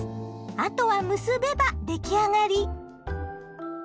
あとは結べば出来上がり。